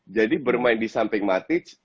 jadi bermain di samping matic